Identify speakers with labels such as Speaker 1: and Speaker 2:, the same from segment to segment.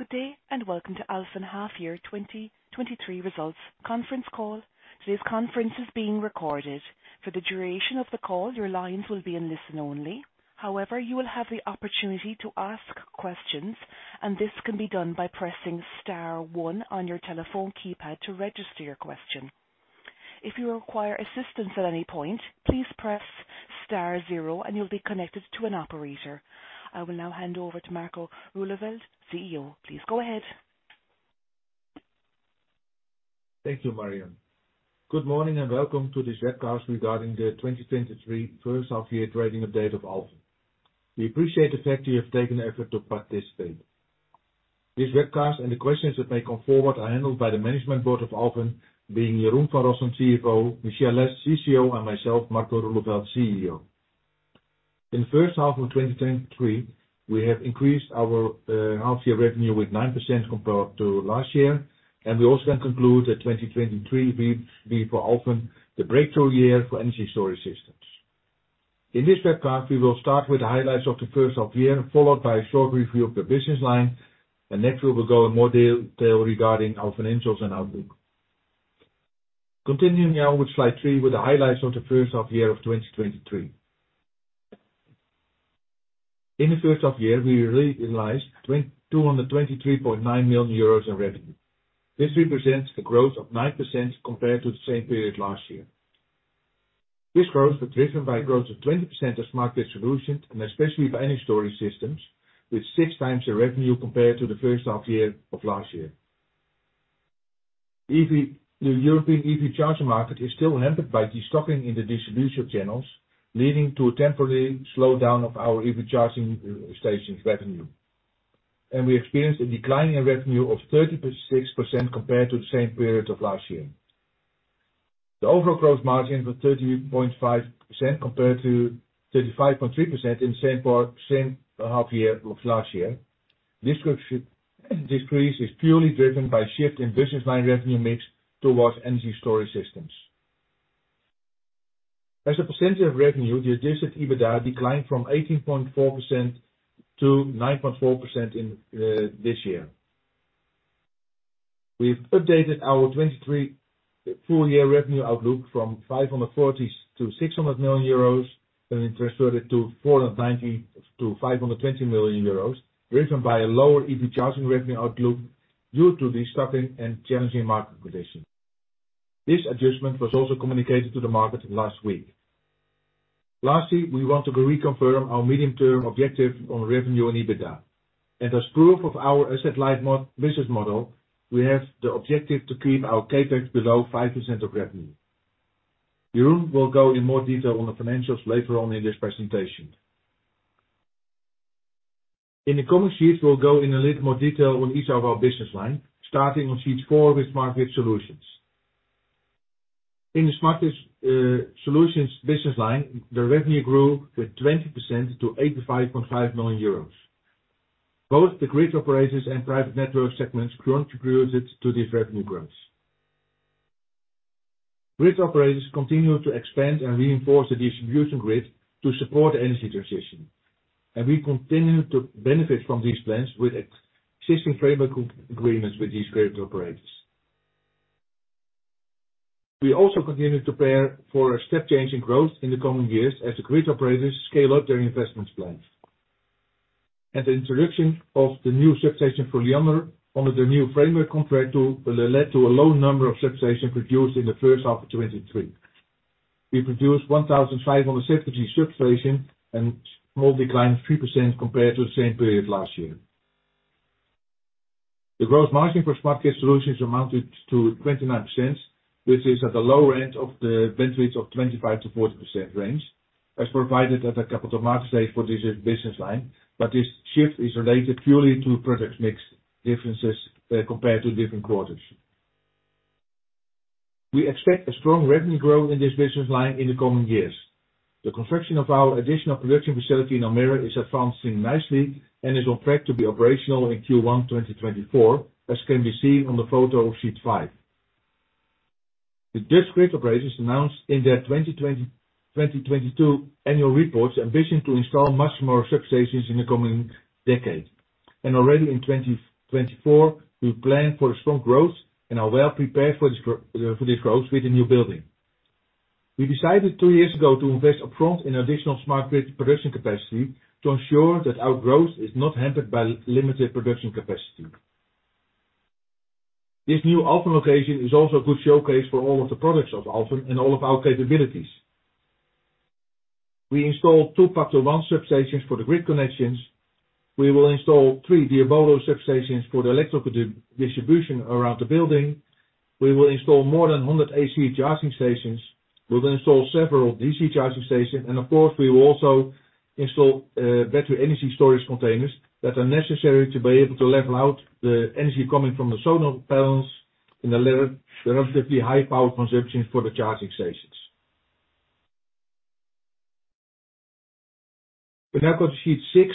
Speaker 1: Good day, welcome to Alfen H1 2023 Results Conference Call. Today's conference is being recorded. For the duration of the call, your lines will be in listen-only mode. However, you will have the opportunity to ask questions, and this can be done by pressing star one on your telephone keypad to register your question. If you require assistance at any point, please press star zero and you'll be connected to an operator. I will now hand over to Marco Roeleveld, CEO. Please go ahead.
Speaker 2: Thank you, Marianne. Good morning, welcome to this webcast regarding the H1 2023 Trading Update of Alfen. We appreciate the fact you have taken the effort to participate. This webcast, the questions that may come forward are handled by the Management Board of Alfen, being Jeroen van Rossen, CFO, Michelle Lesh, CCO, and myself, Marco Roeleveld, CEO. In the H1 2023, we have increased our H2 revenue with 9% compared to last year, we also conclude that 2023 will be for Alfen, the breakthrough year for Energy Storage Systems. In this webcast, we will start with the highlights of the H1, followed by a short review of the business line, next, we will go in more detail regarding our financials and outlook. Continuing now with Slide 3, with the highlights of the H1 2023. In the H1, we realized €223.9 million in revenue. This represents a growth of 9% compared to the same period last year. This growth was driven by a growth of 20% of smart distribution, and especially by energy storage systems, with 6.0x the revenue compared to the H1 of last year. The European EV charging market is still hampered by destocking in the distribution channels, leading to a temporary slowdown of our EV charging stations revenue. We experienced a decline in revenue of 36% compared to the same period of last year. The overall gross margin was 30.5% compared to 35.3% in the same part, same half year of last year. This gross margin decrease is purely driven by shift in business line revenue mix towards energy storage systems. As a percentage of revenue, the adjusted EBITDA declined from 18.4% to 9.4% in this year. We've updated our 2023 full year revenue outlook from €540 million to €600 million, and then transferred it to €490 million to €520 million, driven by a lower EV charging revenue outlook due to the stocking and challenging market conditions. This adjustment was also communicated to the market last week. Lastly, we want to reconfirm our medium-term objective on revenue and EBITDA. As proof of our asset-light business model, we have the objective to keep our CapEx below 5% of revenue. Jeroen will go in more detail on the financials later on in this presentation. In the coming sheets, we'll go in a little more detail on each of our business line, starting on Slide 4-Smart Grid Solutions. In the Smart Grid Solutions business line, the revenue grew with 20% to €85.5 million. Both the grid operators and private network segments contributed to this revenue growth. Grid operators continue to expand and reinforce the distribution grid to support the energy transition, and we continue to benefit from these plans with existing framework agreements with these grid operators. We also continue to prepare for a step change in growth in the coming years as the grid operators scale up their investment plans. The introduction of the new substation for Liander under the new framework contract will, will lead to a low number of substations produced in the H1 2023. We produced 1,570 substations and small decline of 3% compared to the same period last year. The growth margin for Smart Grid Solutions amounted to 29%, which is at the low end of the bandwidth of 25% to 40% range, as provided at the capital market stage for this business line, but this shift is related purely to product mix differences compared to different quarters. We expect a strong revenue growth in this business line in the coming years. The construction of our additional production facility in Almere is advancing nicely and is on track to be operational in Q1 2024, as can be seen on the photo, Slide 5. The Dutch grid operators announced in their 2020-2022 annual reports, ambition to install much more substations in the coming decade. Already in 2024, we plan for a strong growth and are well prepared for this growth with the new building. We decided two years ago to invest upfront in additional smart grid production capacity to ensure that our growth is not hampered by limited production capacity. This new Alfen location is also a good showcase for all of the products of Alfen and all of our capabilities. We installed two Pacta substations for the grid connections. We will install three Diabolo substations for the electrical distribution around the building. We will install more than 100 AC charging stations. We'll install several DC charging stations. Of course, we will also install battery energy storage containers that are necessary to be able to level out the energy coming from the solar panels in the relatively high power consumption for the charging stations. We now go to Slide 6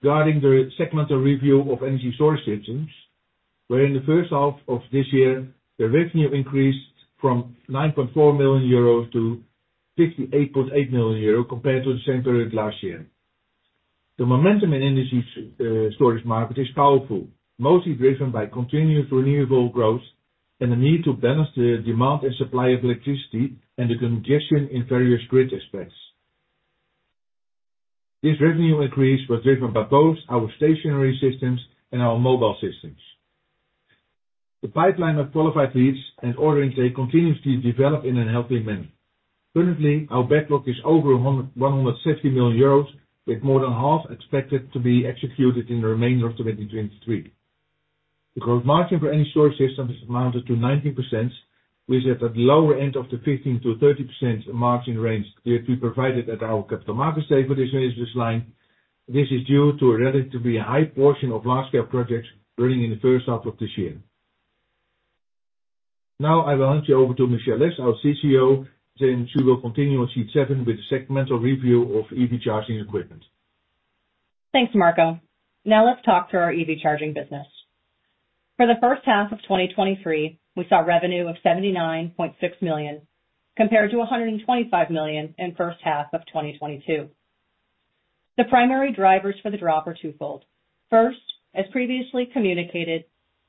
Speaker 2: regarding the segmental review of energy storage systems. where in the H1 of this year, the revenue increased from €9.4 million to €68.8 million, compared to the same period last year. The momentum in energy storage market is powerful, mostly driven by continuous renewable growth and the need to balance the demand and supply of electricity and the congestion in various grid aspects. This revenue increase was driven by both our stationary systems and our mobile systems. The pipeline of qualified leads and orderings, they continuously develop in a healthy manner. Currently, our backlog is over one hundred, €160 million with more than half expected to be executed in the remainder of 2023. The growth margin for energy storage systems amounted to 19%, which is at the lower end of the 15% to 30% margin range we had provided at our Capital Markets Day for this business line. This is due to a relatively high portion of large-scale projects running in the H1 of this year. Now I will hand you over to Michelle Lesh, our CCO, and she will continue on sheet seven with the segmental review of EV charging equipment.
Speaker 3: Thanks, Marco. Now let's talk to our EV charging business. For the H1 2023, we saw revenue of €79.6 million, compared to €125 million in H1 of 2022. The primary drivers for the drop are two-fold. First, as previously communicated,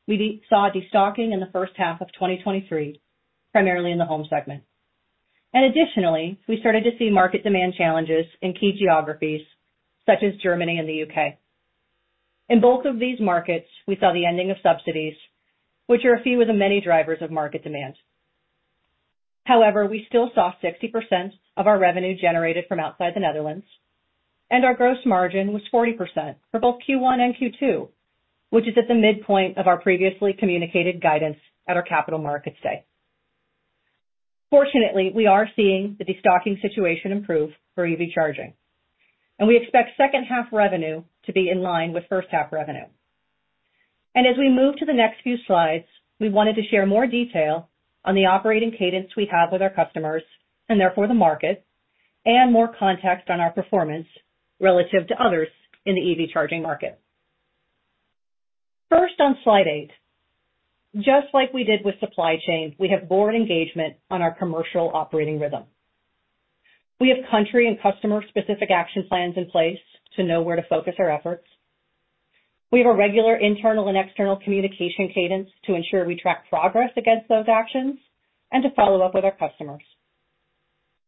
Speaker 3: we saw destocking in the H1 2023, primarily in the home segment. Additionally, we started to see market demand challenges in key geographies such as Germany and the UK. In both of these markets, we saw the ending of subsidies, which are a few of the many drivers of market demand. We still saw 60% of our revenue generated from outside the Netherlands, and our gross margin was 40% for both Q1 and Q2, which is at the midpoint of our previously communicated guidance at our Capital Markets Day. Fortunately, we are seeing the destocking situation improve for EV charging, we expect second half revenue to be in line with H1 revenue. As we move to the next few slides, we wanted to share more detail on the operating cadence we have with our customers, and therefore the market, and more context on our performance relative to others in the EV charging market. First, on Slide 8, just like we did with supply chain, we have board engagement on our commercial operating rhythm. We have country and customer-specific action plans in place to know where to focus our efforts. We have a regular internal and external communication cadence to ensure we track progress against those actions and to follow up with our customers.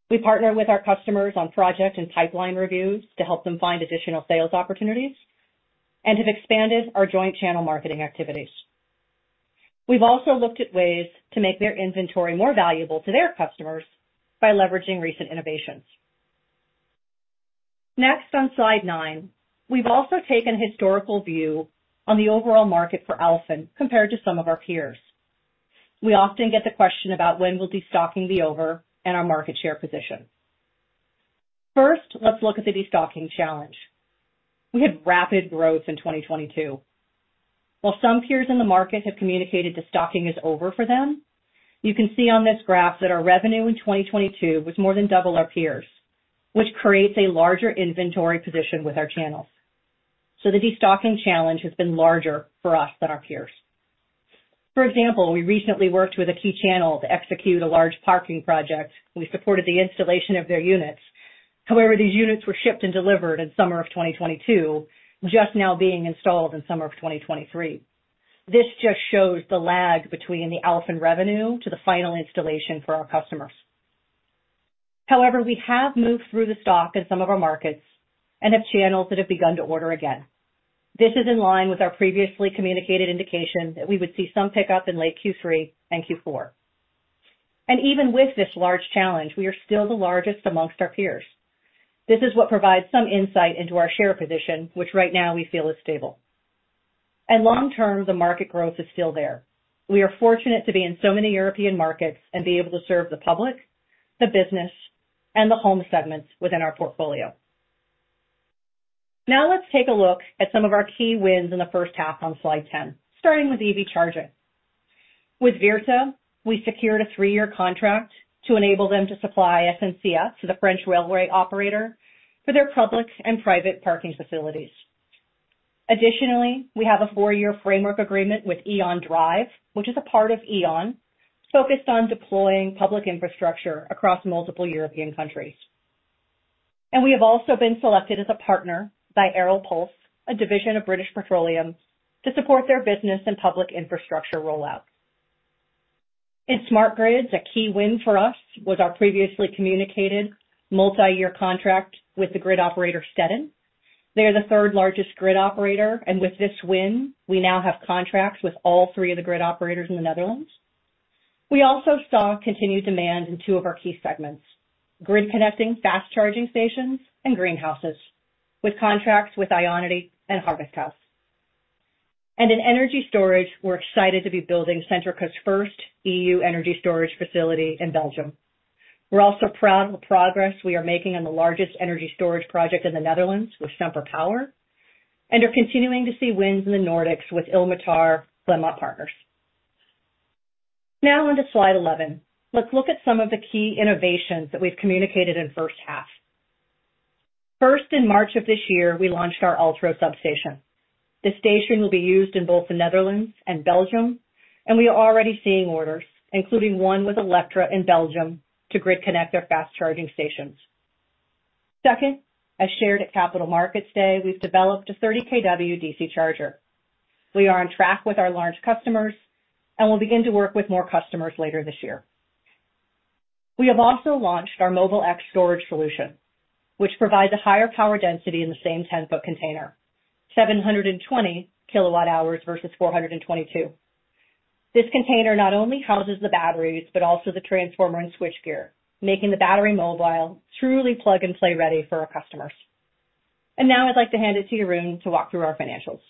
Speaker 3: We partner with our customers on project and pipeline reviews to help them find additional sales opportunities and have expanded our joint channel marketing activities. We've also looked at ways to make their inventory more valuable to their customers by leveraging recent innovations. Next, on Slide 9, we've also taken a historical view on the overall market for Alfen compared to some of our peers. We often get the question about when will destocking be over and our market share position. First, let's look at the destocking challenge. We had rapid growth in 2022. While some peers in the market have communicated destocking is over for them, you can see on this graph that our revenue in 2022 was more than double our peers, which creates a larger inventory position with our channels. The destocking challenge has been larger for us than our peers. For example, we recently worked with a key channel to execute a large parking project. We supported the installation of their units. However, these units were shipped and delivered in summer of 2022, just now being installed in summer of 2023. This just shows the lag between the Alfen revenue to the final installation for our customers. However, we have moved through the stock in some of our markets and have channels that have begun to order again. This is in line with our previously communicated indication that we would see some pickup in late Q3 and Q4. Even with this large challenge, we are still the largest amongst our peers. This is what provides some insight into our share position, which right now we feel is stable. Long term, the market growth is still there. We are fortunate to be in so many European markets and be able to serve the public, the business, and the home segments within our portfolio. Now let's take a look at some of our key wins in the H1 on Slide 10, starting with EV charging. With Virta, we secured a three-year contract to enable them to supply SNCF the French national railway operator for both public and private parking facilities. We have a four-year framework agreement with E.ON Drive, which is a part of E.ON, focused on deploying public infrastructure across multiple European countries. We have also been selected as a partner by Aral Pulse, a division of BP p.l.c., to support their business and public infrastructure rollout. In smart grids, a key win for us was our previously communicated multi-year contract with the grid operator, Stedin. They are the third largest grid operator. With this win, we now have contracts with all three of the grid operators in the Netherlands. We also saw continued demand in two of our key segments, grid-connecting fast charging stations and greenhouses, with contracts with IONITY and Harvest House. In energy storage, we're excited to be building Centrica's first EU energy storage facility in Belgium. We're also proud of the progress we are making on the largest energy storage project in the Netherlands with SemperPower, continuing to see wins in the Nordics with Ilmatar, KlimatPartner. Now on to slide 11. Let's look at some of the key innovations that we've communicated in H1. First, in March of this year, we launched our Ultra substation. The station will be used in both the Netherlands and Belgium. We are already seeing orders, including one with Electra in Belgium, to grid connect their fast charging stations. Second, as shared at Capital Markets Day, we've developed a 30 kW DC charger. We are on track with our large customers, and we'll begin to work with more customers later this year. We have also launched our Mobile X energy storage solution, which provides a higher power density in the same 10-foot container, 720 kWh versus 422 kWh. This container not only houses the batteries, but also the transformer and switchgear, making the battery mobile truly plug-and-play ready for our customers. Now I'd like to hand it to Jeroen to walk through our financials.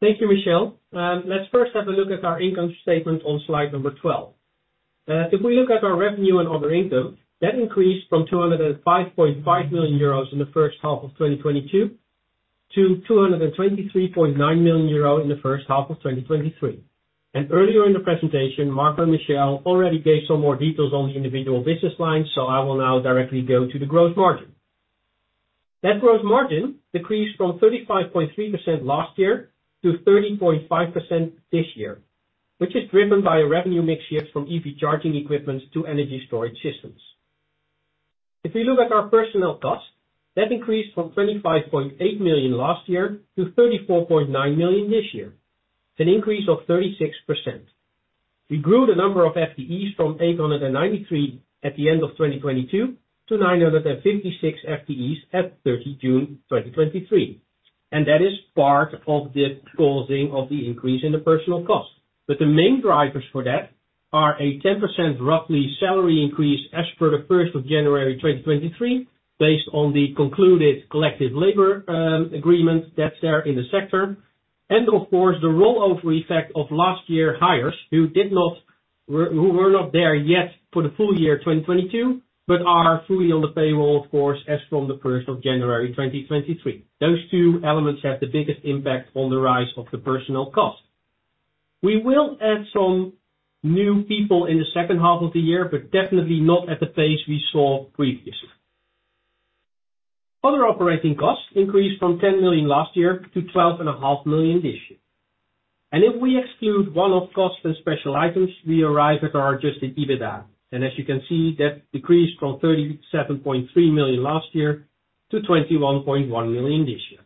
Speaker 4: Thank you, Michelle. Let's first have a look at our income statement on Slide 12. If we look at our revenue and other income, that increased from €205.5 million in the H1 of 2022 to €223.9 million in the H1 2023. Earlier in the presentation, Marco and Michelle already gave some more details on the individual business lines, so I will now directly go to the growth margin. Net growth margin decreased from 35.3% last year to 30.5% this year, which is driven by a revenue mix shift from EV charging equipment to energy storage systems. If we look at our personnel costs, that increased from €25.8 million last year to €34.9 million this year, an increase of 36%. We grew the number of FTEs from 893 at the end of 2022 to 956 FTEs at June 30, 2023, that is part of the causing of the increase in the personnel cost. The main drivers for that are a 10%, roughly, salary increase as per January 1, 2023, based on the concluded collective labor agreement that's there in the sector. Of course, the rollover effect of last year hires who were not there yet for the full- year 2022, but are fully on the payroll, of course, as from January 1, 2023. Those two elements have the biggest impact on the rise of the personal cost. We will add some new people in the second half of the year, but definitely not at the pace we saw previously. Other operating costs increased from €10 million last year to €12.5 million this year. If we exclude one-off costs and special items, we arrive at our adjusted EBITDA, and as you can see, that decreased from €37.3 million last year to € 21.1 million this year.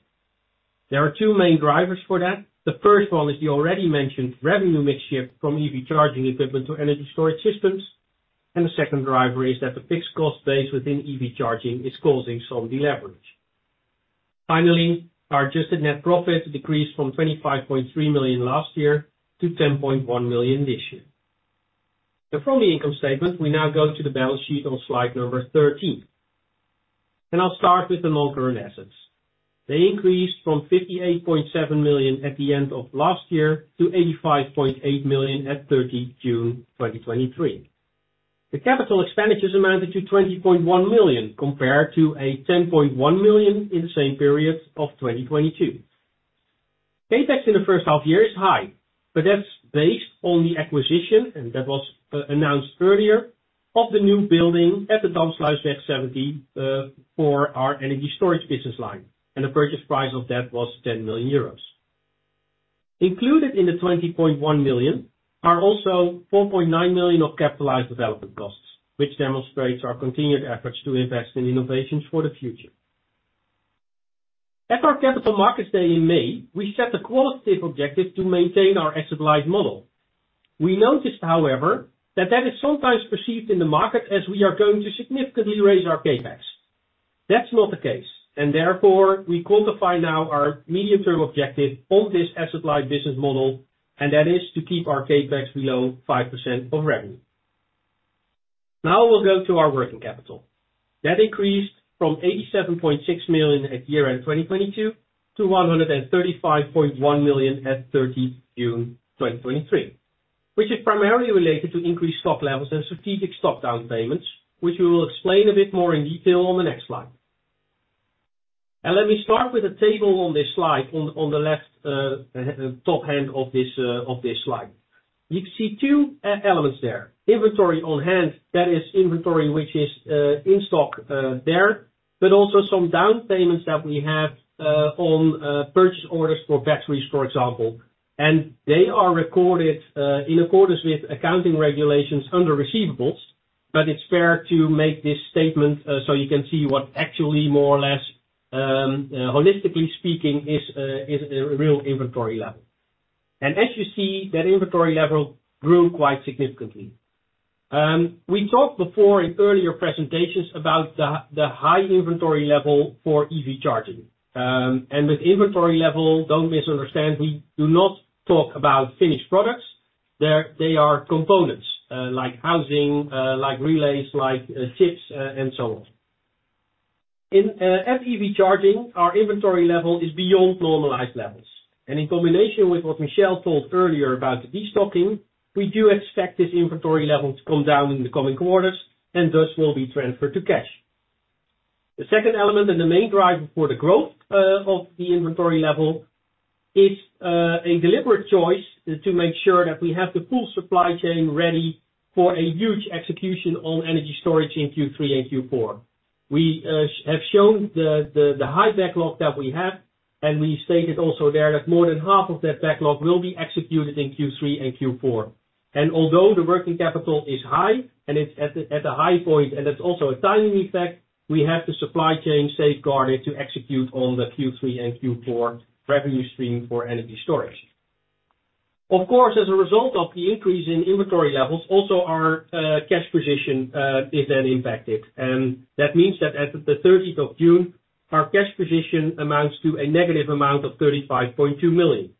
Speaker 4: There are two main drivers for that. The first one is the already mentioned revenue mix shift from EV charging equipment to energy storage systems, and the second driver is that the fixed cost base within EV charging is causing some deleverage. Finally, our adjusted net profit decreased from €25.3 million last year to €10.1 million this year. From the income statement, we now go to the balance sheet on Slide 13. I'll start with the long-term assets. They increased from €58.7 million at the end of last year to €85.8 million at June 30, 2023. The capital expenditures amounted to €20.1 million, compared to €10.1 million in the same period of 2022. CapEx in the H1 year is high, but that's based on the acquisition, and that was announced earlier, of the new building at the Damsluisweg 70 for our energy storage business line, and the purchase price of that was €10 million. Included in the €20.1 million are also €4.9 million of capitalized development costs, which demonstrates our continued efforts to invest in innovations for the future. At our Capital Markets Day in May, we set a qualitative objective to maintain our asset-light model. We noticed, however, that that is sometimes perceived in the market as we are going to significantly raise our CapEx. That's not the case. Therefore, we quantify now our medium-term objective on this asset-light business model, and that is to keep our CapEx below 5% of revenue. Now, we'll go to our working capital. That increased from €87.6 million at year end 2022, to €135.1 million at June 30, 2023, which is primarily related to increased stock levels and strategic stock down payments, which we will explain a bit more in detail on the next slide. Let me start with the table on this slide on the left, top hand of this, of this slide. You see two e- elements there, inventory on hand, that is inventory which is in stock, there, but also some down payments that we have on purchase orders for batteries, for example. They are recorded in accordance with accounting regulations under receivables, but it's fair to make this statement, so you can see what actually more or less, holistically speaking, is a, is a real inventory level. As you see, that inventory level grew quite significantly. We talked before in earlier presentations about the high inventory level for EV charging. With inventory level, don't misunderstand, we do not talk about finished products. They are components, like housing, like relays, like chips, and so on. In EV charging, our inventory level is beyond normalized levels, and in combination with what Michelle Lesh told earlier about the destocking, we do expect this inventory level to come down in the coming quarters and thus will be transferred to cash. The second element and the main driver for the growth of the inventory level, it's a deliberate choice, is to make sure that we have the full supply chain ready for a huge execution on energy storage in Q3 and Q4. We have shown the high backlog that we have, and we stated also there that more than half of that backlog will be executed in Q3 and Q4. Although the working capital is high, and it's at a high point, and that's also a timing effect, we have the supply chain safeguarded to execute on the Q3 and Q4 revenue stream for energy storage. Of course, as a result of the increase in inventory levels, also our cash position is then impacted. That means that as of the 13th of June, our cash position amounts to a negative €35.2 million.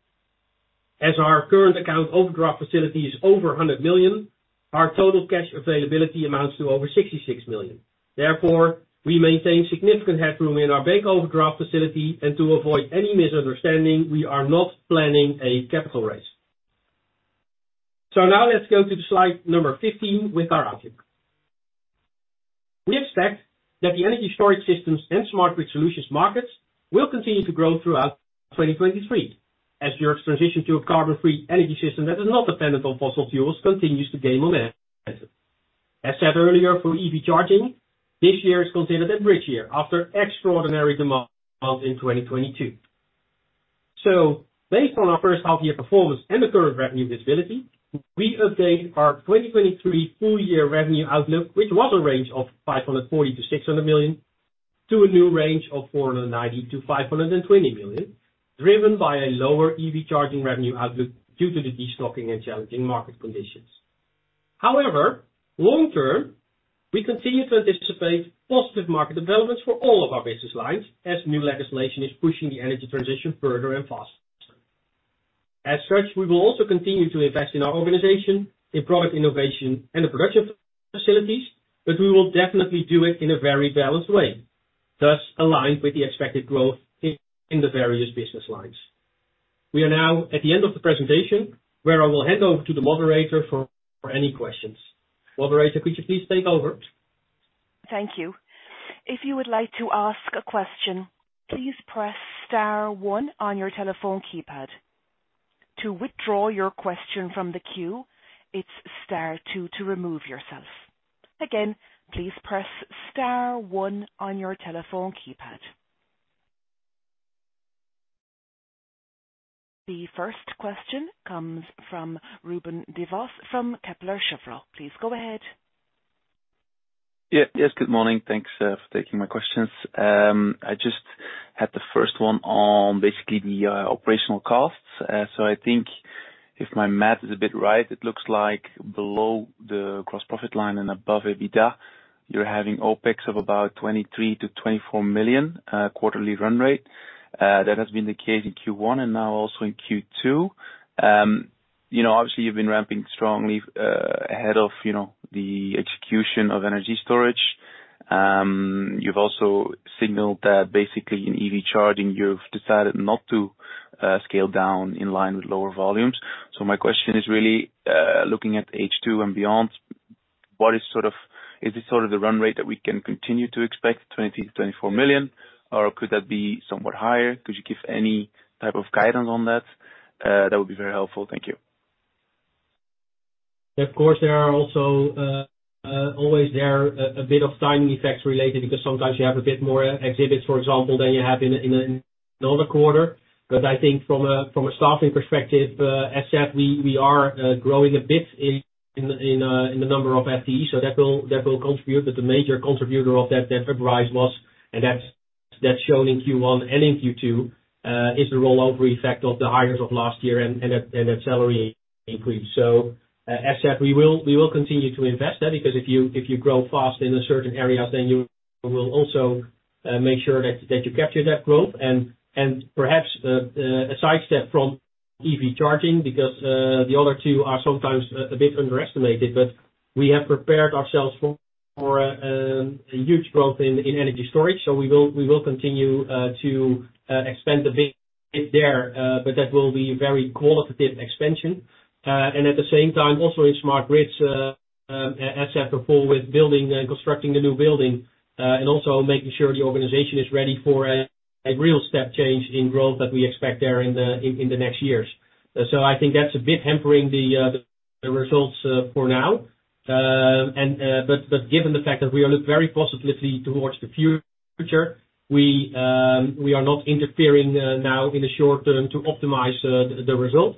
Speaker 4: As our current account overdraft facility is over €100 million, our total cash availability amounts to over €66 million. Therefore, we maintain significant headroom in our bank overdraft facility, and to avoid any misunderstanding, we are not planning a capital raise. Now let's go to the slide number 15 with our outlook. We expect that the energy storage systems and Smart Grid Solutions markets will continue to grow throughout 2023, as Europe's transition to a carbon-free energy system that is not dependent on fossil fuels continues to gain momentum. As said earlier, for EV charging, this year is considered a bridge year after extraordinary demand in 2022. Based on our H1 year performance and the current revenue visibility, we update our 2023 full year revenue outlook, which was a range of €540 million to €600 million, to a new range of €490 million to €520 million, driven by a lower EV charging revenue outlook due to the destocking and challenging market conditions. However, long term, we continue to anticipate positive market developments for all of our business lines as new legislation is pushing the energy transition further and faster. As such, we will also continue to invest in our organization, in product innovation and the production facilities, but we will definitely do it in a very balanced way, thus aligned with the expected growth in the various business lines. We are now at the end of the presentation, where I will hand over to the moderator for any questions. Moderator, could you please take over?
Speaker 1: Thank you. If you would like to ask a question, please press star one on your telephone keypad. To withdraw your question from the queue, it's star two to remove yourself. Again, please press star one on your telephone keypad. The first question comes from Ruben Devos from Kepler Cheuvreux. Please go ahead.
Speaker 5: Yeah. Yes, good morning. Thanks for taking my questions. I just had the first one on basically the operational costs. So I think if my math is a bit right, it looks like below the gross profit line and above EBITDA, you're having OPEX of about €23 million to €24 million quarterly run rate. That has been the case in Q1 and now also in Q2. You know, obviously, you've been ramping strongly ahead of, you know, the execution of energy storage. You've also signaled that basically in EV charging, you've decided not to scale down in line with lower volumes. My question is really, looking at H2 and beyond, what is sort of... Is this sort of the run rate that we can continue to expect, €20 million to €24 million, or could that be somewhat higher? Could you give any type of guidance on that? That would be very helpful. Thank you.
Speaker 4: Of course, there are also, always there a, a bit of timing effects related, because sometimes you have a bit more exhibits, for example, than you have in a, in another quarter. I think from a, from a staffing perspective, as said, we, we are, growing a bit in, in, in the number of FTE, so that will, that will contribute. The major contributor of that, that rise was, and that's, that's shown in Q1 and in Q2, is the rollover effect of the hires of last year and that, and that salary increase. As said, we will, we will continue to invest there, because if you, if you grow fast in a certain area, then you will also, make sure that, that you capture that growth. Perhaps, a sidestep from EV charging, because the other two are sometimes a bit underestimated, but we have prepared ourselves for, for a huge growth in energy storage. We will, we will continue to expand a bit there, but that will be very qualitative expansion. At the same time, also in Smart Grid Solutions, as said before, with building and constructing a new building, and also making sure the organization is ready for a real step change in growth that we expect there in the next years. I think that's a bit hampering the results for now. Given the fact that we look very positively towards the future, we, we are not interfering now in the short term to optimize the result.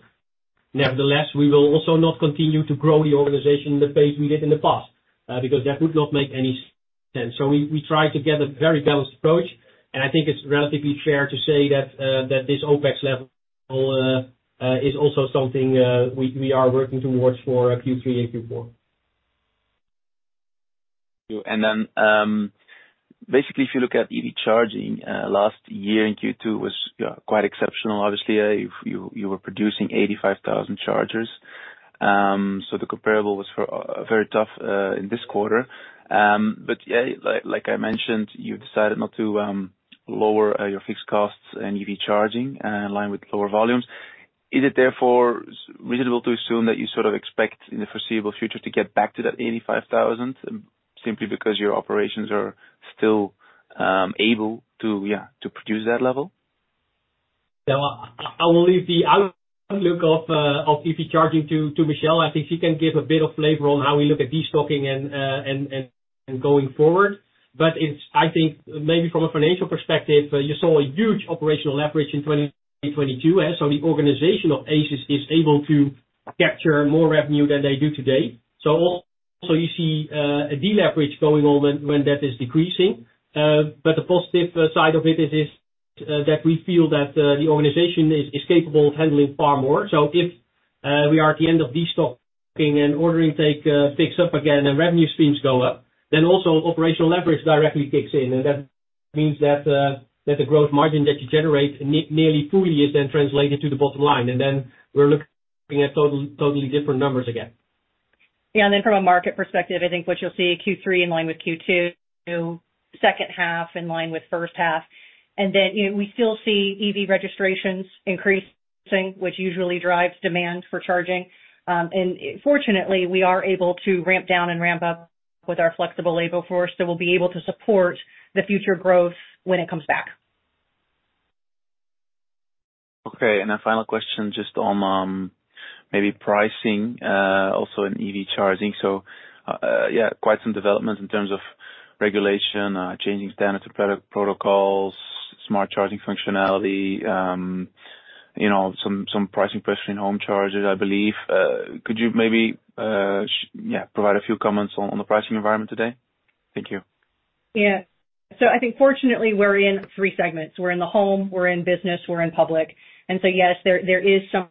Speaker 4: Nevertheless, we will also not continue to grow the organization in the pace we did in the past, because that would not make any sense. We, we try to get a very balanced approach, and I think it's relatively fair to say that this OPEX level is also something we, we are working towards for Q3 and Q4.
Speaker 5: Basically, if you look at EV charging, last year in Q2 was quite exceptional. Obviously, you, you were producing 85,000 chargers. The comparable was for very tough in this quarter. Like, like I mentioned, you've decided not to lower your fixed costs and EV charging in line with lower volumes. Is it therefore reasonable to assume that you sort of expect in the foreseeable future to get back to that 85,000, simply because your operations are still able to produce that level?
Speaker 4: Yeah, I will leave the outlook of EV charging to Michelle. I think she can give a bit of flavor on how we look at destocking and going forward. It's. I think maybe from a financial perspective, you saw a huge operational leverage in 2022, so the organization of Alfen is able to capture more revenue than they do today. Also you see a deleverage going on when, when debt is decreasing. But the positive side of it is, is that we feel that the organization is, is capable of handling far more. If we are at the end of destocking and ordering take picks up again and revenue streams go up, then also operational leverage directly kicks in. That means that, that the gross margin that you generate nearly fully is then translated to the bottom line, and then we're looking at totally different numbers again.
Speaker 3: Yeah, then from a market perspective, I think what you'll see Q3 in line with Q2, second half in line with H1, then, you know, we still see EV registrations increasing, which usually drives demand for charging. Fortunately, we are able to ramp down and ramp up with our flexible labor force. We'll be able to support the future growth when it comes back.
Speaker 5: Okay. A final question just on maybe pricing also in EV charging. Yeah, quite some developments in terms of regulation, changing standards and product protocols, smart charging functionality, you know, some, some pricing pressure in home chargers, I believe. Could you maybe, yeah, provide a few comments on the pricing environment today? Thank you.
Speaker 3: Yeah. I think fortunately, we're in three segments. We're in the home, we're in business, we're in public. Yes, there, there is some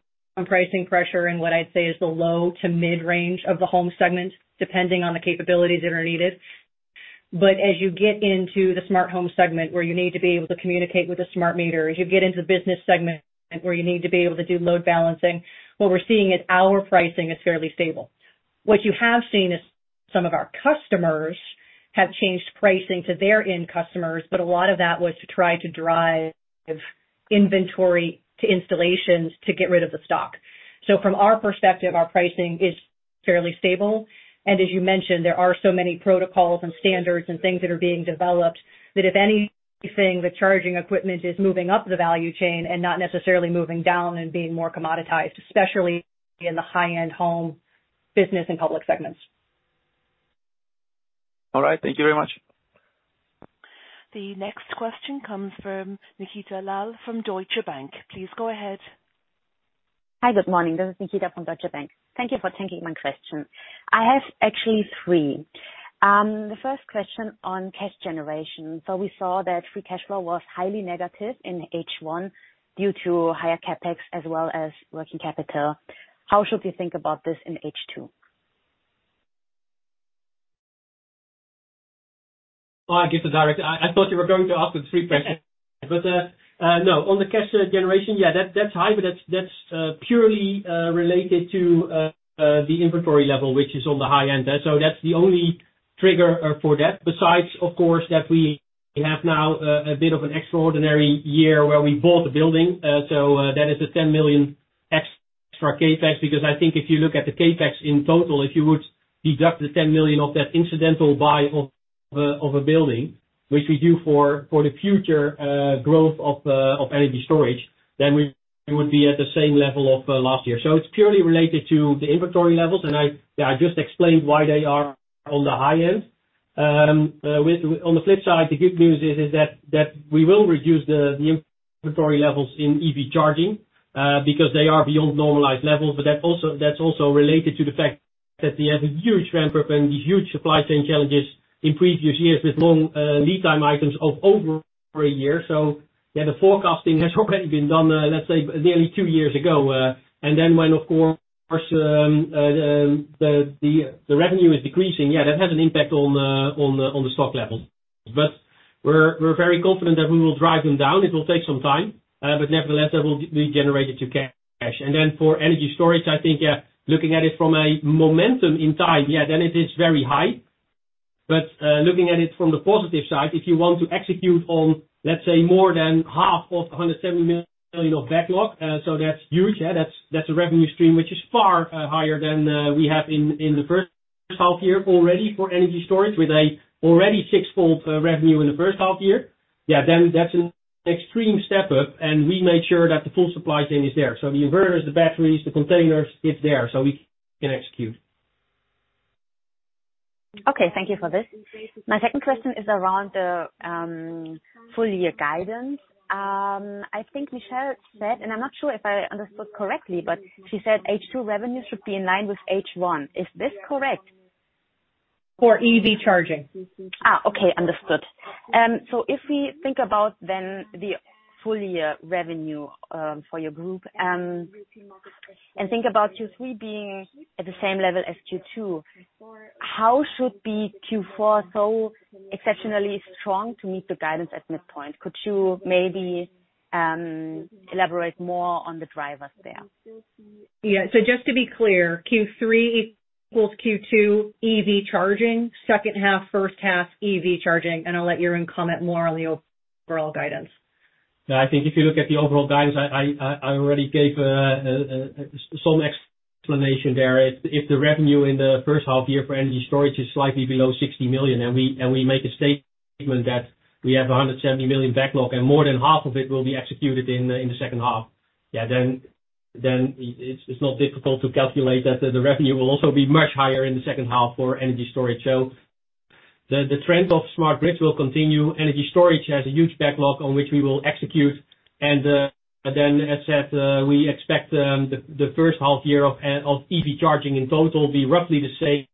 Speaker 3: pricing pressure, and what I'd say is the low to mid-range of the home segment, depending on the capabilities that are needed. As you get into the smart home segment, where you need to be able to communicate with a smart meter, as you get into the business segment, where you need to be able to do load balancing, what we're seeing is our pricing is fairly stable. What you have seen is some of our customers have changed pricing to their end customers, but a lot of that was to try to drive inventory to installations to get rid of the stock. From our perspective, our pricing is fairly stable, and as you mentioned, there are so many protocols and standards and things that are being developed, that if anything, the charging equipment is moving up the value chain and not necessarily moving down and being more commoditized, especially in the high-end home, business, and public segments.
Speaker 5: All right. Thank you very much.
Speaker 1: The next question comes from Nikita Lal from Deutsche Bank. Please go ahead.
Speaker 6: Hi, good morning. This is Nikita from Deutsche Bank. Thank you for taking my question. I have actually three. The first question on cash generation. We saw that free cash flow was highly negative in H1 due to higher CapEx as well as working capital. How should we think about this in H2?
Speaker 4: Well, I'll give the direct. I, I thought you were going to ask the three questions. No, on the cash generation, yeah, that- that's high, but that's, that's, purely, related to, the inventory level, which is on the high end. That's the only trigger, for that. Besides, of course, that we have now, a bit of an extraordinary year where we bought a building. That is a €10 million extra CapEx, because I think if you look at the CapEx in total, if you would deduct the €10 million of that incidental buy of a, of a building, which we do for, for the future, growth of, of energy storage, then we would be at the same level of, last year. It's purely related to the inventory levels, and I, I just explained why they are on the high end. On the flip side, the good news is, is that, that we will reduce the, the inventory levels in EV charging, because they are beyond normalized levels. That's also related to the fact that we have a huge ramp up and these huge supply chain challenges in previous years with long, lead time items of over a year. Yeah, the forecasting has already been done, let's say nearly two years ago. And then when, of course, the revenue is decreasing, yeah, that has an impact on the, on the stock levels. We're very confident that we will drive them down. It will take some time, nevertheless, that will be generated to cash. For energy storage, I think, looking at it from a momentum in time, then it is very high. Looking at it from the positive side, if you want to execute on, let's say, more than €85 million of backlog, that's huge. That's, that's a revenue stream, which is far higher than we have in the H1 year already for energy storage, with a already six-fold revenue in the H1 year. That's an extreme step up, and we make sure that the full supply chain is there. The inverters, the batteries, the containers, it's there, we can execute.
Speaker 6: Okay, thank you for this. My second question is around the full year guidance. I think Michelle said, and I'm not sure if I understood correctly, but she said H2 revenue should be in line with H1. Is this correct?
Speaker 3: For EV charging.
Speaker 6: Okay, understood. If we think about then the full year revenue for your group, and think about Q3 being at the same level as Q2, how should be Q4 so exceptionally strong to meet the guidance at midpoint? Could you maybe elaborate more on the drivers there?
Speaker 3: Yeah. just to be clear, Q3 equals Q2 EV charging, H2, H1, EV charging, and I'll let Jeroen comment more on the overall guidance?
Speaker 4: I think if you look at the overall guidance, I already gave some explanation there. If, the revenue in the H1 year for energy storage is slightly below € 60 million, and we, and we make a statement that we have a €170 million backlog, and more than half of it will be executed in the, in the H2, then, then it's, it's not difficult to calculate that the revenue will also be much higher in the H2 for energy storage. The trend of Smart Grid Solutions will continue. Energy storage has a huge backlog on which we will execute, and then, as said, we expect the, the H1 year of EV charging in total, be roughly the same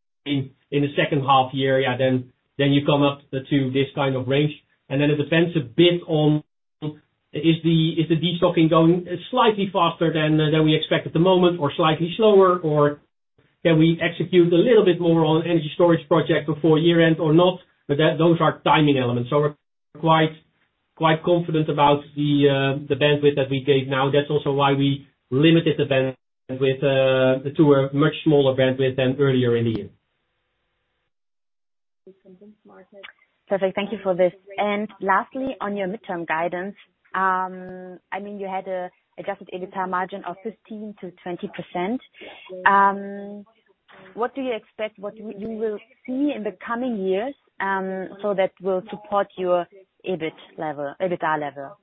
Speaker 4: in the second half year. Yeah, then, then you come up to this kind of range, and then it depends a bit on, is the, is the destocking going slightly faster than, than we expect at the moment, or slightly slower, or can we execute a little bit more on energy storage project before year end or not? That, those are timing elements. We're quite, quite confident about the bandwidth that we gave now. That's also why we limited the bandwidth to a much smaller bandwidth than earlier in the year.
Speaker 6: Perfect. Thank you for this. Lastly, on your midterm guidance, I mean, you had a adjusted EBITDA margin of 15% to 20%. What do you expect, what you, you will see in the coming years, so that will support your EBIT level, EBITDA level?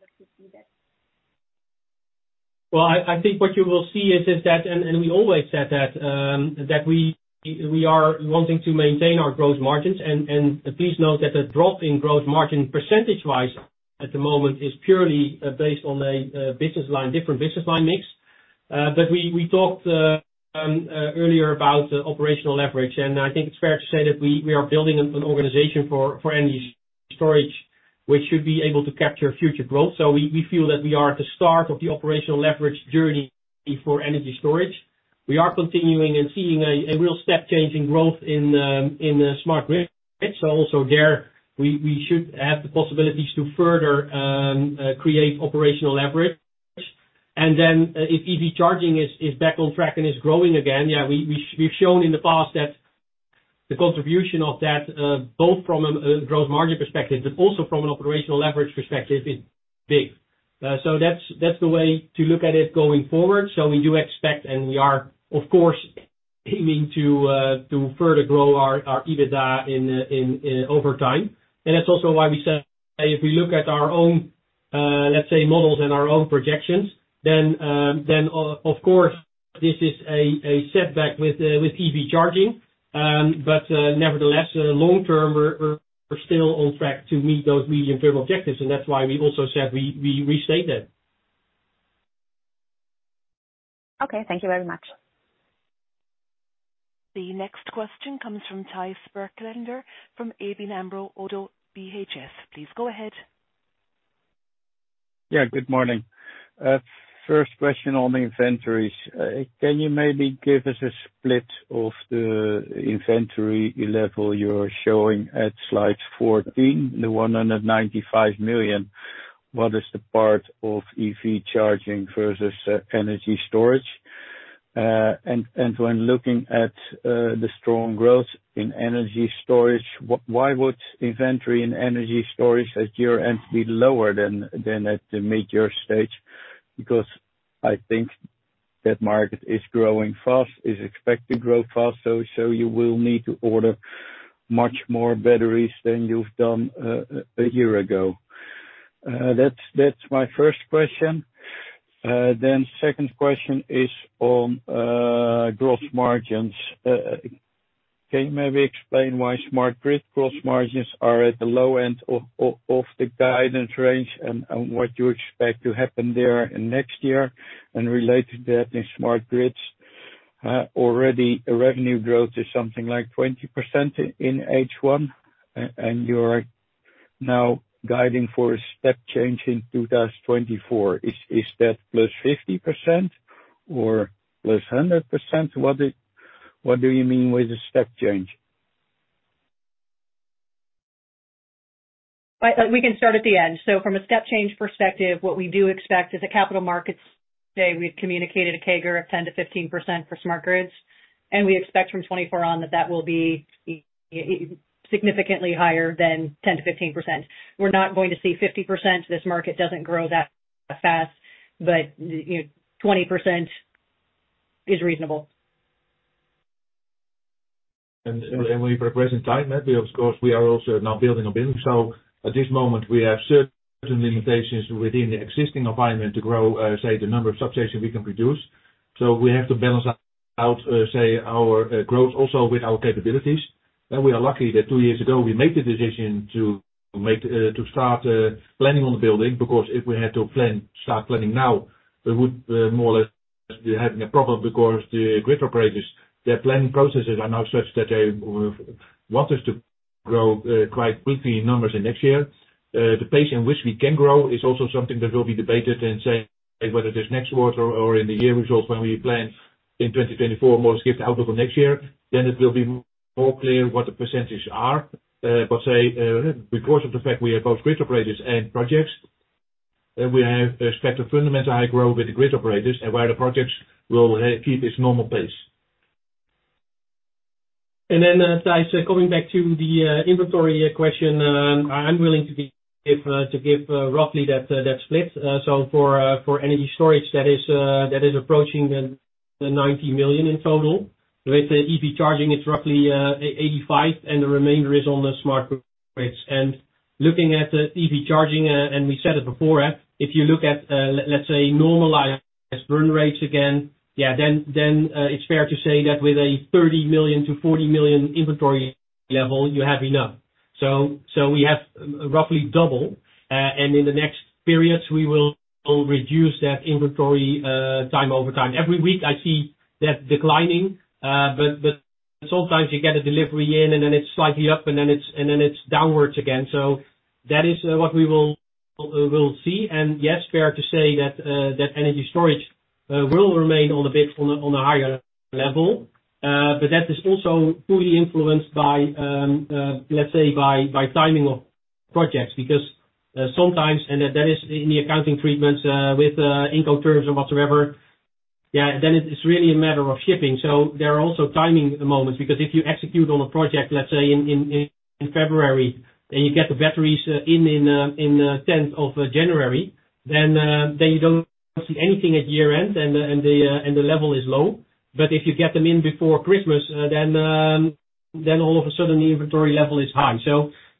Speaker 4: Well, I, I think what you will see is, is that. We always said that, that we, we are wanting to maintain our growth margins. Please note that the drop in growth margin, percentage wise, at the moment, is purely based on a business line, different business line mix. We talked earlier about the operational leverage, and I think it's fair to say that we, we are building an organization for, for energy storage, which should be able to capture future growth. We feel that we are at the start of the operational leverage journey for energy storage. We are continuing and seeing a, a real step change in growth in the Smart Grid Solutions. Also there, we, we should have the possibilities to further, create operational leverage. If EV charging is, is back on track and is growing again, yeah, we, we've, we've shown in the past that the contribution of that, both from a, a growth margin perspective, but also from an operational leverage perspective, is big. That's, that's the way to look at it going forward. We do expect, and we are, of course, aiming to further grow our, our EBITDA in, in over time. That's also why we said, if we look at our own, let's say, models and our own projections, then of course, this is a, a setback with EV charging. Nevertheless, long term, we're, we're, we're still on track to meet those medium-term objectives, and that's why we also said we, we restate them.
Speaker 6: Okay, thank you very much.
Speaker 1: The next question comes from Thijs Berkelder from ABN AMRO - ODDO BHF. Please go ahead.
Speaker 7: Yeah, good morning. First question on the inventories. Can you maybe give us a split of the inventory level you're showing at Slide 14, the €195 million? What is the part of EV charging versus energy storage? When looking at the strong growth in energy storage, why would inventory and energy storage at year-end be lower than at the mid-year stage? Because I think that market is growing fast, is expected to grow fast, so you will need to order much more batteries than you've done a year ago. That's my first question. Then second question is on growth margins. Can you maybe explain why Smart Grid Solutions growth margins are at the low end of the guidance range, and what you expect to happen there in next year? Related to that, in Smart Grid Solutions, already revenue growth is something like 20% in H1, and you are now guiding for a step change in 2024. Is that +50% or +100%? What do you mean with a step change?
Speaker 3: We can start at the end. From a step change perspective, what we do expect is a Capital Markets Day. We've communicated a CAGR of 10% to 15% for Smart Grid Solutions, we expect from 2024 on, that that will be significantly higher than 10% to 15%. We're not going to see 50%. This market doesn't grow that fast, you know, 20% is reasonable.
Speaker 4: We progressing timeline. Of course, we are also now building a business. At this moment, we have certain limitations within the existing environment to grow, say, the number of substation we can produce. We have to balance out, say, our growth also with our capabilities. We are lucky that two years ago we made the decision to make, to start planning on the building, because if we had to plan, start planning now, we would more or less be having a problem because the grid operators, their planning processes are now such that they want us to grow quite quickly in numbers in next year. The pace in which we can grow is also something that will be debated and say, whether it is next quarter or in the year results when we plan in 2024, more give the outlook of next year, then it will be more clear what the percentages are. But say, because of the fact we are both grid operators and projects, then we have expected fundamentally high growth with the grid operators, and while the projects will keep its normal pace.... Thijs, coming back to the inventory question, I, I'm willing to be, if, to give roughly that split. So for energy storage, that is approaching the €90 million in total. With the EV charging, it's roughly €85 million, and the remainder is on the smart grids. Looking at the EV charging, and we said it before, if you look at, let's say, normalized burn rates again, yeah, then, then, it's fair to say that with a €30 million to €40 million inventory level, you have enough. So we have roughly double, and in the next periods, we will reduce that inventory time over time. Every week I see that declining, but sometimes you get a delivery in, and then it's slightly up, and then it's downwards again. That is what we will see. Yes, fair to say that energy storage will remain on a bit on a higher level. But that is also fully influenced by, let's say, by timing of projects. Sometimes, and that is in the accounting treatments, with Incoterms or whatsoever, yeah, then it's really a matter of shipping. There are also timing moments, because if you execute on a project, let's say in, in, in, in February, and you get the batteries in January 10, then you don't see anything at year-end, and the, and the level is low. If you get them in before Christmas, then all of a sudden, the inventory level is high.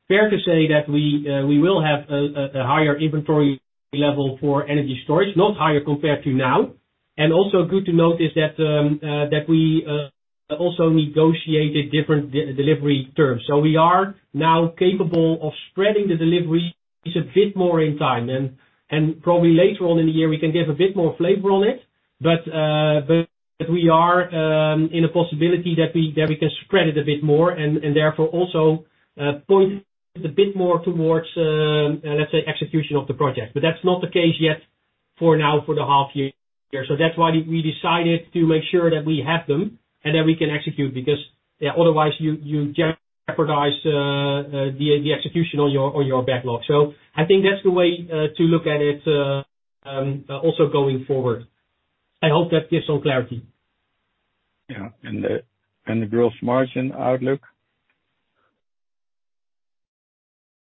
Speaker 4: Fair to say that we will have a higher inventory level for Energy Storage System, not higher compared to now. Also good to notice that we also negotiated different delivery terms. We are now capable of spreading the deliveries a bit more in time. Probably later on in the year, we can give a bit more flavor on it, but we are in a possibility that we, that we can spread it a bit more and, and therefore, also point a bit more towards, let's say, execution of the project. That's not the case yet for now, for the half year. That's why we, we decided to make sure that we have them, and that we can execute, because, yeah, otherwise you, you jeopardize the execution on your, on your backlog. I think that's the way to look at it also going forward. I hope that gives some clarity.
Speaker 7: Yeah, the gross margin outlook?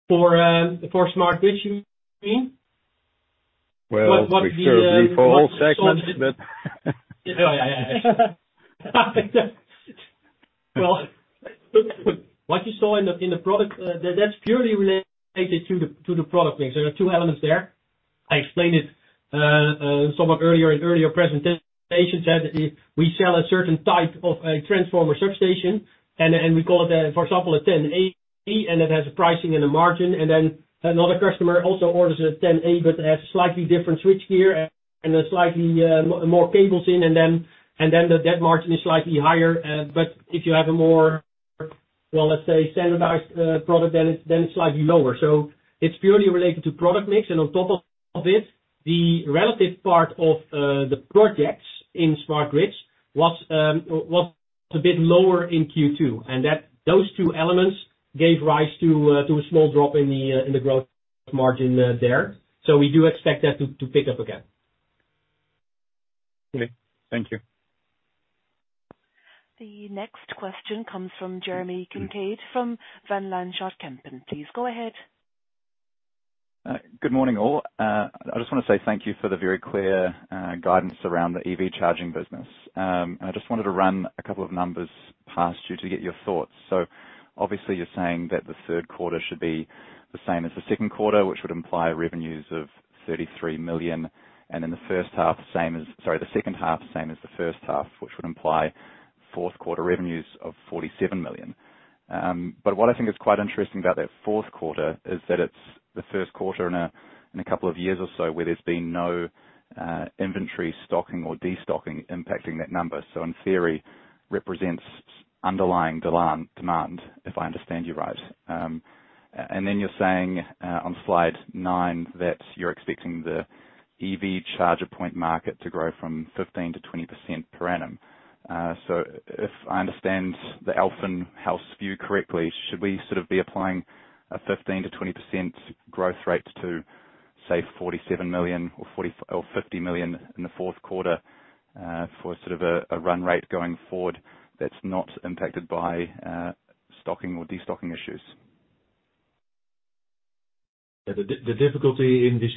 Speaker 4: For, for Smart Grid Solutions, you mean?
Speaker 7: Well, preferably for all segments, but
Speaker 4: Oh, yeah, Well, what you saw in the, in the product, that's purely related to the, to the product mix. There are two elements there. I explained it, somewhat earlier in earlier presentations, that we, we sell a certain type of a transformer substation, and, and we call it, for example, a 10 A, and it has a pricing and a margin, and then another customer also orders a 10 A, but has slightly different switch gear and, and a slightly, more cables in, and then, and then the... That margin is slightly higher. If you have a more, well, let's say, standardized, product, then it's, then it's slightly lower. It's purely related to product mix, and on top of, of it, the relative part of, the projects in Smart Grid Solutions was, was a bit lower in Q2. That, those two elements gave rise to a, to a small drop in the, in the growth margin, there. We do expect that to, to pick up again.
Speaker 7: Okay. Thank you.
Speaker 1: The next question comes from Jeremy Kincaid, from Van Lanschot Kempen. Please go ahead.
Speaker 8: Good morning, all. I just wanna say thank you for the very clear guidance around the EV charging business. I just wanted to run a couple of numbers past you to get your thoughts. Obviously, you're saying that the Q3 should be the same as the second quarter, which would imply revenues of €33 million. In the H1, the same as... Sorry, the H2, same as the H1, which would imply fourth quarter revenues of €47 million. What I think is quite interesting about that fourth quarter, is that it's the Q1 in a couple of years or so, where there's been no inventory stocking or de-stocking impacting that number. On theory, represents underlying demand, if I understand you right. Then you're saying, on slide nine, that you're expecting the EV charger point market to grow from 15% to 20% per annum. If I understand the Alfen house view correctly, should we sort of be applying a 15% to 20% growth rate to, say, €47 million or €40 million or €50 million in the Q4, for sort of a run rate going forward, that's not impacted by stocking or de-stocking issues?
Speaker 2: The, the difficulty in this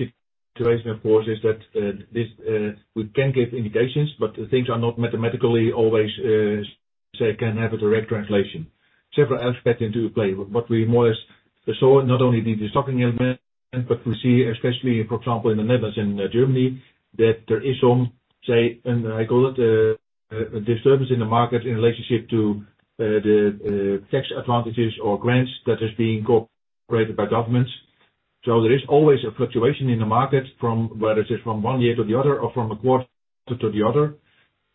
Speaker 2: situation, of course, is that this we can give indications, but things are not mathematically always say, can have a direct translation. Several aspects into play, but we more or less saw not only the de-stocking element, but we see, especially, for example, in the Netherlands and Germany, that there is some, say, and I call it disturbance in the market in relationship to the tax advantages or grants that is being incorporated by governments. There is always a fluctuation in the market from whether it's from one year to the other, or from a quarter to the other,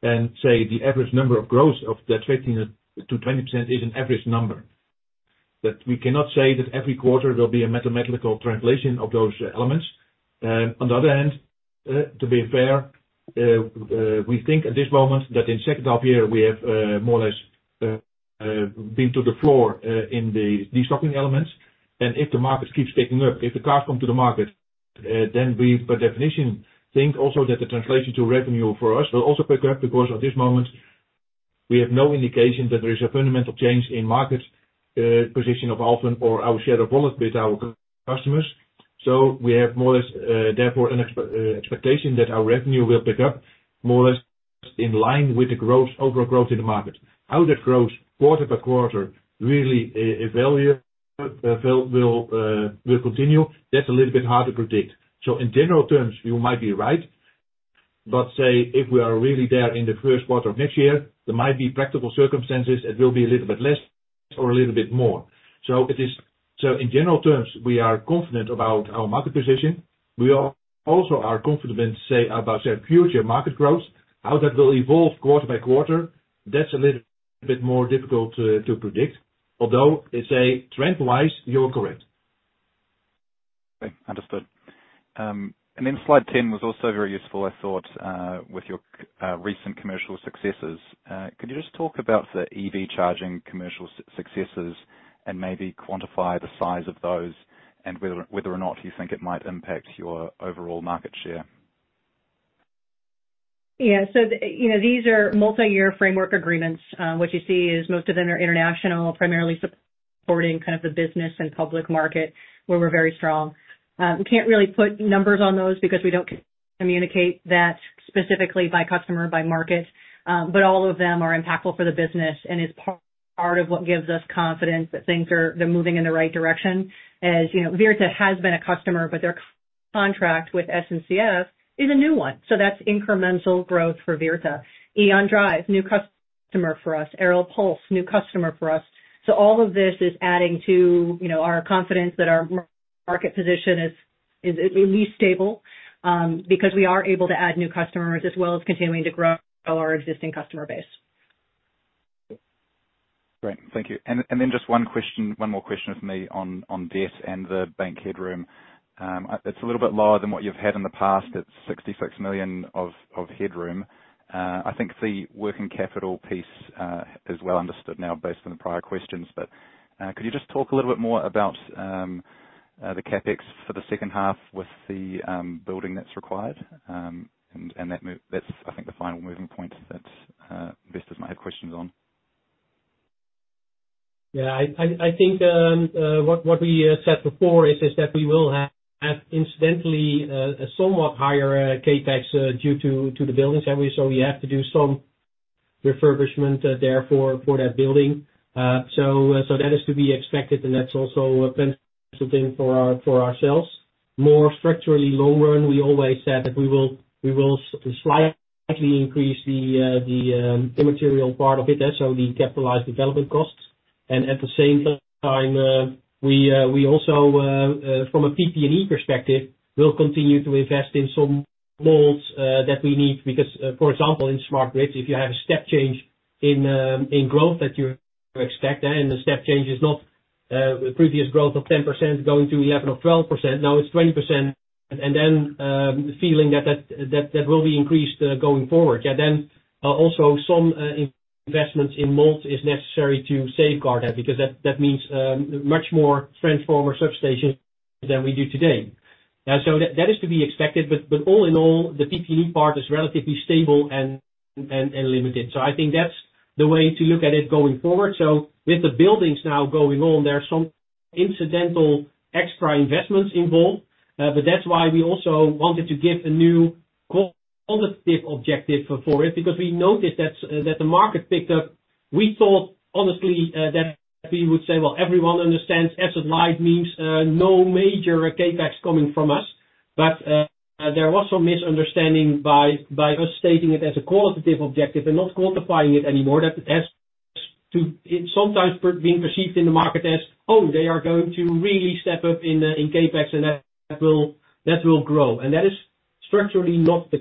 Speaker 2: and say, the average number of growth of that 15% to 20% is an average number. That we cannot say that every quarter there'll be a mathematical translation of those elements. On the other hand, to be fair, we think at this moment, that in second half year, we have, more or less, been to the floor, in the de-stocking elements. If the market keeps ticking up, if the cars come to the market.
Speaker 4: We, by definition, think also that the translation to revenue for us will also pick up, because at this moment, we have no indication that there is a fundamental change in market position of Alfen or our share of wallet with our customers. We have more, therefore, an expectation that our revenue will pick up more or less in line with the growth, overall growth in the market. How that grows quarter by quarter, really, a value will continue, that's a little bit hard to predict. In general terms, you might be right, but say, if we are really there in the first quarter of next year, there might be practical circumstances, it will be a little bit less or a little bit more. It is... In general terms, we are confident about our market position. We are also confident, say, about the future market growth. How that will evolve quarter-by-quarter, that's a little bit more difficult to predict, although, let's say, trend-wise, you're correct.
Speaker 8: Okay, understood. Then Slide 10 was also very useful, I thought, with your recent commercial successes. Could you just talk about the EV charging commercial successes and maybe quantify the size of those and whether or not you think it might impact your overall market share?
Speaker 3: Yeah, so, you know, these are multi-year framework agreements. What you see is most of them are international, primarily supporting kind of the business and public market, where we're very strong. We can't really put numbers on those because we don't communicate that specifically by customer, by market, but all of them are impactful for the business, and is part, part of what gives us confidence that things are, they're moving in the right direction. As you know, Virta has been a customer, but their contract with SNCF is a new one, so that's incremental growth for Virta. E.ON Drive, new customer for us. Aral Pulse, new customer for us. All of this is adding to, you know, our confidence that our market position is, is at least stable, because we are able to add new customers as well as continuing to grow our existing customer base.
Speaker 8: Great. Thank you. And then just one question, one more question from me on, on debt and the bank headroom. It's a little bit lower than what you've had in the past. It's €66 million of, of headroom. I think the working capital piece, is well understood now based on the prior questions, could you just talk a little bit more about, the CapEx for the H2 with the, building that's required? And that move-- that's, I think, the final moving point that, investors might have questions on.
Speaker 4: Yeah, I think what we said before is that we will have, incidentally, a somewhat higher CapEx due to the buildings, and we, so we have to do some refurbishment, therefore, for that building. That is to be expected, and that's also a thing for ourselves. More structurally long run, we always said that we will slightly increase the material part of it, so the capitalized development costs. At the same time, we also from a PP&E perspective, will continue to invest in some molds that we need, because, for example, in smart grids, if you have a step change in growth that you expect, and the step change is not the previous growth of 10% to 11% or 12%, now it's 20%, and then feeling that will be increased going forward. Then also some investments in molds is necessary to safeguard that, because that means much more transformer substations than we do today. So that is to be expected, but all in all, the PP&E part is relatively stable and limited. I think that's the way to look at it going forward. With the buildings now going on, there are some incidental extra investments involved, that's why we also wanted to give a new qualitative objective for it, because we noticed that the market picked up. We thought, honestly, that we would say, "Well, everyone understands as-is means, no major CapEx coming from us." There was some misunderstanding by, by us stating it as a qualitative objective and not quantifying it anymore, that as to... It's sometimes per- being perceived in the market as, "Oh, they are going to really step up in CapEx, and that will, that will grow." That is structurally not the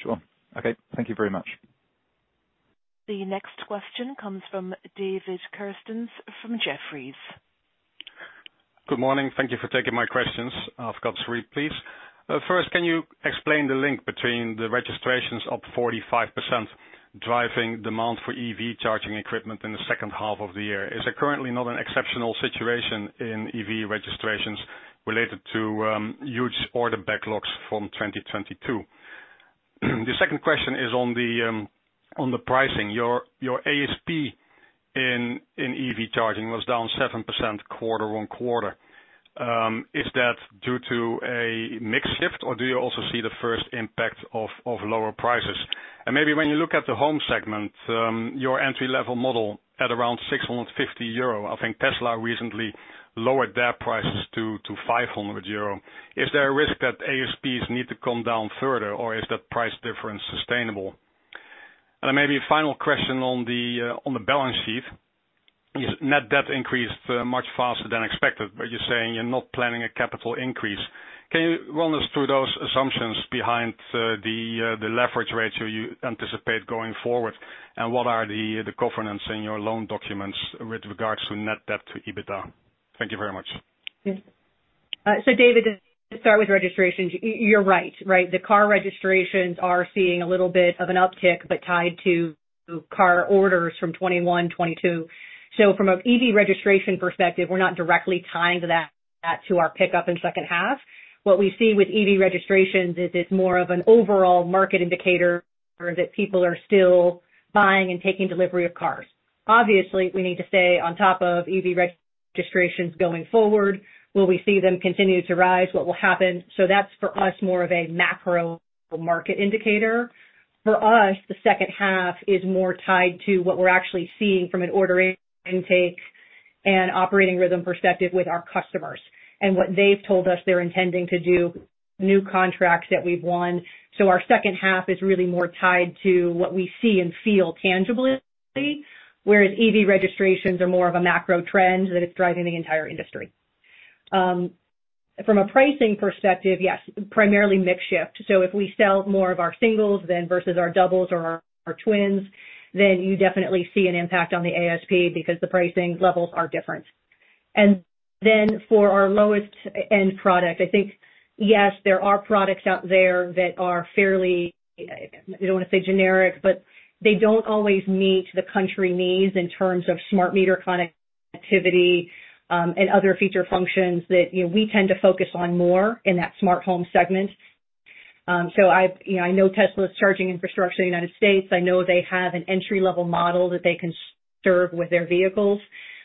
Speaker 4: case.
Speaker 8: Sure. Okay, thank you very much.
Speaker 1: The next question comes from David Kerstens from Jefferies.
Speaker 9: Good morning. Thank you for taking my questions. I've got three, please. First, can you explain the link between the registrations up 45%, driving demand for EV charging equipment in the second half of the year? Is it currently not an exceptional situation in EV registrations related to huge order backlogs from 2022? The second question is on the pricing. Your ASP in EV charging was down 7% quarter-on-quarter. Is that due to a mix shift, or do you also see the first impact of lower prices? Maybe when you look at the home segment, your entry-level model at around €650, I think Tesla recently lowered their prices to €500. Is there a risk that ASPs need to come down further, or is the price difference sustainable? Maybe a final question on the balance sheet. Net debt increased much faster than expected, but you're saying you're not planning a capital increase. Can you run us through those assumptions behind the leverage ratio you anticipate going forward, and what are the governance in your loan documents with regards to Net Debt to EBITDA? Thank you very much.
Speaker 3: David, to start with registrations, you're right, right? The car registrations are seeing a little bit of an uptick, but tied to car orders from 2021-2022. From an EV registration perspective, we're not directly tying that, that to our pickup in second half. What we see with EV registrations is it's more of an overall market indicator that people are still buying and taking delivery of cars. Obviously, we need to stay on top of EV registrations going forward. Will we see them continue to rise? What will happen? That's for us, more of a macro market indicator. For us, the second half is more tied to what we're actually seeing from an ordering intake and operating rhythm perspective with our customers. What they've told us they're intending to do, new contracts that we've won. Our H2 is really more tied to what we see and feel tangibly, whereas EV registrations are more of a macro trend that is driving the entire industry. From a pricing perspective, yes, primarily mix shift. If we sell more of our singles than versus our doubles or our twins, then you definitely see an impact on the ASP because the pricing levels are different. For our lowest end product, I think, yes, there are products out there that are fairly, I don't want to say generic, but they don't always meet the country needs in terms of smart meter connectivity, and other feature functions that, you know, we tend to focus on more in that smart home segment. I know Tesla's charging infrastructure in the United States. I know they have an entry-level model that they can serve with their vehicles,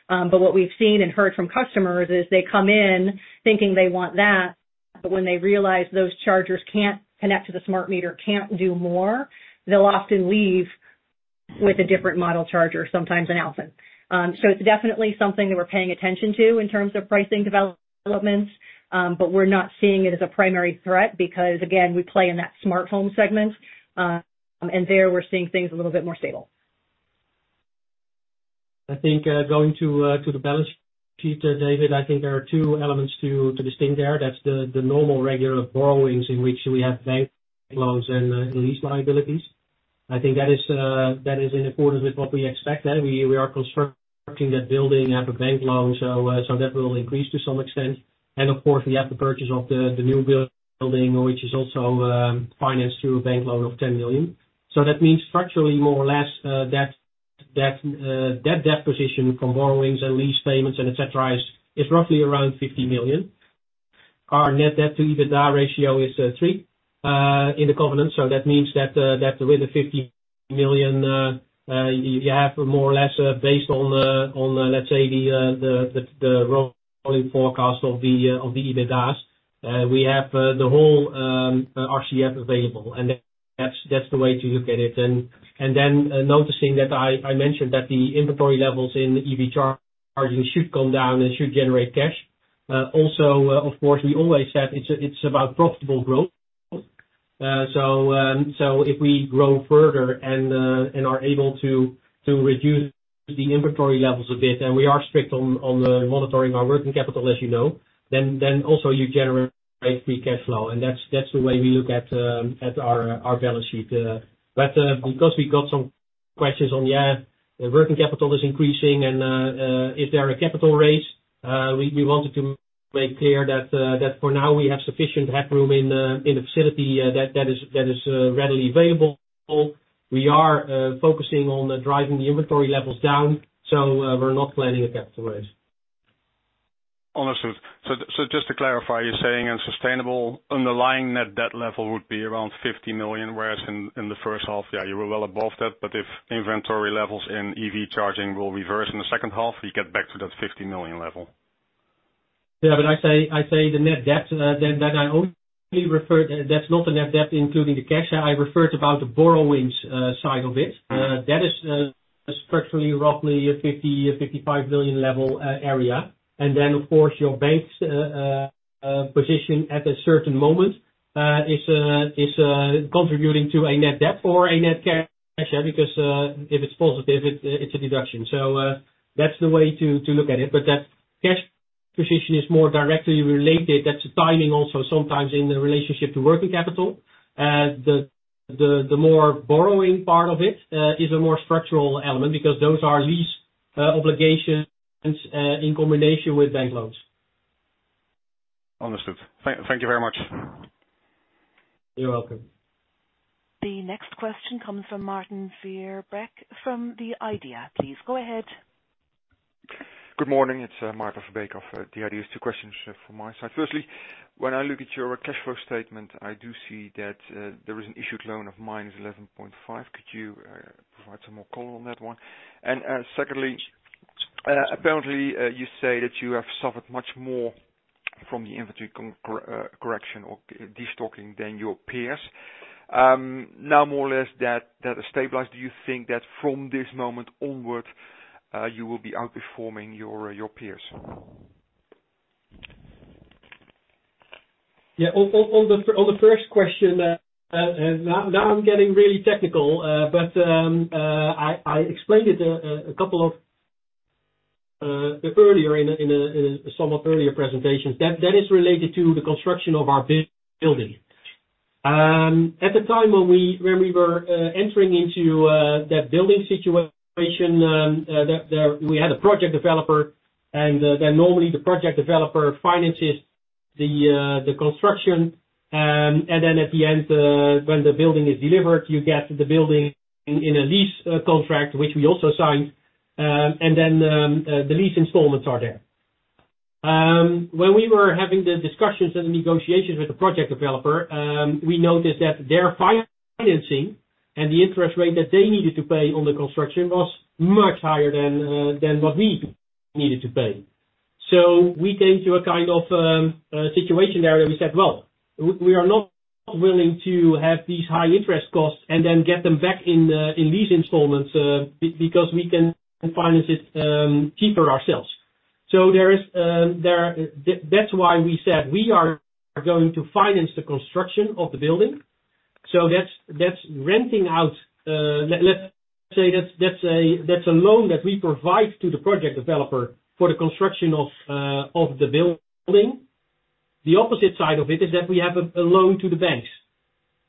Speaker 3: but what we've seen and heard from customers is they come in thinking they want that, but when they realize those chargers can't connect to the smart meter, can't do more, they'll often leave with a different model charger, sometimes an inaudible. It's definitely something that we're paying attention to in terms of pricing developments, we're not seeing it as a primary threat because, again, we play in that smart home segment, and there we're seeing things a little bit more stable.
Speaker 4: I think, going to the balance sheet, David, I think there are two elements to distinct there. That's the normal regular borrowings in which we have bank loans and lease liabilities. I think that is, that is in accordance with what we expect. We are constructing that building at a bank loan, so that will increase to some extent. Of course, we have the purchase of the new building, which is also financed through a bank loan of €10 million. That means structurally, more or less, debt position from borrowings and lease payments and et cetera, is roughly around €50 million. Our Net Debt to EBITDA ratio is three in the covenant. That means that with the €50 million, you have more or less, based on, on, let's say the rolling forecast of the EBITDAs, we have the whole RCF available, and that's, that's the way to look at it. Then, noticing that I mentioned that the inventory levels in EV charging should come down and should generate cash. Also, of course, we always said it's, it's about profitable growth. If we grow further and are able to reduce the inventory levels a bit, and we are strict on monitoring our working capital, as you know, then also you generate free cash flow, and that's the way we look at our balance sheet. Because we got some questions on, yeah, the working capital is increasing and is there a capital raise? We wanted to make clear that for now we have sufficient headroom in the facility that is readily available. We are focusing on driving the inventory levels down, we're not planning a capital raise.
Speaker 9: Just to clarify, you're saying a sustainable underlying net debt level would be around €50 million, whereas in, in the H1, yeah, you were well above that, but if inventory levels in EV charging will reverse in the second half, you get back to that €50 million level.
Speaker 4: Yeah, I say, I say the net debt, then that I only referred, that's not a net debt, including the cash. I referred about the borrowings side of it. That is structurally roughly a €50 billion to €55 billion level area. Then, of course, your bank's position at a certain moment is contributing to a net debt or a net cash, because if it's positive, it's a deduction. That's the way to look at it. That cash position is more directly related. That's timing also sometimes in the relationship to working capital. The more borrowing part of it is a more structural element, because those are lease obligations in combination with bank loans.
Speaker 9: Understood. Thank, thank you very much.
Speaker 4: You're welcome.
Speaker 3: The next question comes from Maarten Verbeek from The IDEA!. Please go ahead.
Speaker 10: Good morning, it's Maarten Verbeek of The IDEA!. Two questions from my side. Firstly, when I look at your cash flow statement, I do see that there is an issued loan of -€11.5. Could you provide some more color on that one? Secondly, apparently, you say that you have suffered much more from the inventory correction or destocking than your peers. Now, more or less, that is stabilized. Do you think that from this moment onwards, you will be outperforming your peers?
Speaker 4: Yeah. On the first question, now, now I'm getting really technical, but I, I explained it a couple of, earlier in a somewhat earlier presentation, that, that is related to the construction of our building. At the time when we, when we were entering into that building situation, there, there, we had a project developer, and, then normally the project developer finances-... the construction, and then at the end, when the building is delivered, you get the building in, in a lease contract, which we also sign. And then, the lease installments are there. When we were having the discussions and negotiations with the project developer, we noticed that their financing and the interest rate that they needed to pay on the construction was much higher than what we needed to pay. We came to a kind of situation there, and we said, "Well, we are not willing to have these high interest costs and then get them back in these installments because we can finance it cheaper ourselves." There, that's why we said we are going to finance the construction of the building. That's, that's renting out, let's say, that's, that's a, that's a loan that we provide to the project developer for the construction of the building. The opposite side of it is that we have a loan to the banks.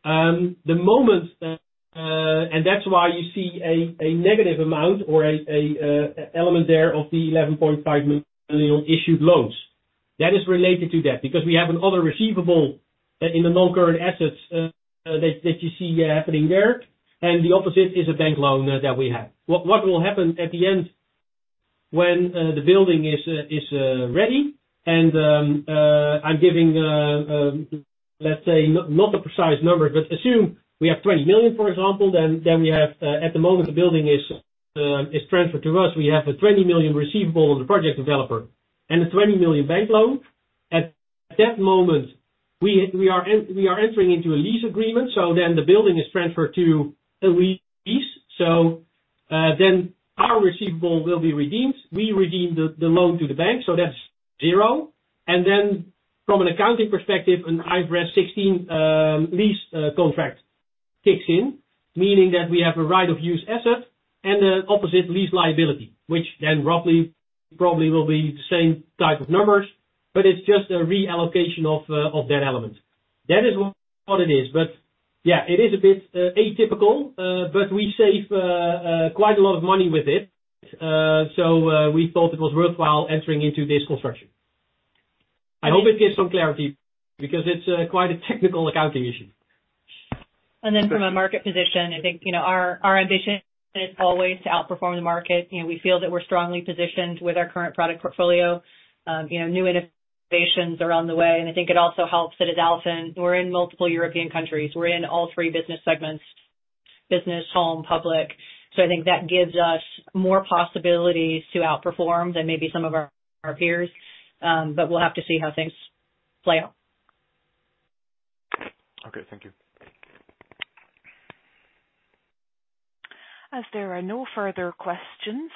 Speaker 4: The moment, and that's why you see a negative amount or an element there of the €11.5 million issued loans. That is related to that, because we have an other receivable in the non-current assets that you see happening there, and the opposite is a bank loan that we have. What will happen at the end when the building is ready, and I'm giving, let's say, not a precise number, but assume we have €20 million, for example, then we have at the moment the building is transferred to us, we have a €20 million receivable on the project developer and a €20 million bank loan. At that moment, we are entering into a lease agreement, so then the building is transferred to a lease. Our receivable will be redeemed. We redeem the loan to the bank, so that's 0. From an accounting perspective, an IFRS 16 lease contract kicks in, meaning that we have a right of use asset and an opposite lease liability, which then roughly, probably will be the same type of numbers, but it's just a reallocation of that element. That is what it is. Yeah, it is a bit atypical, but we save quite a lot of money with it. We thought it was worthwhile entering into this construction. I hope it gives some clarity because it's quite a technical accounting issue.
Speaker 3: Then from a market position, I think, you know, our, our ambition is always to outperform the market. You know, we feel that we're strongly positioned with our current product portfolio. You know, new innovations are on the way, and I think it also helps that as Alfen, we're in multiple European countries. We're in all three business segments: business, home, public. I think that gives us more possibilities to outperform than maybe some of our, our peers, but we'll have to see how things play out.
Speaker 6: Okay, thank you.
Speaker 1: As there are no further questions,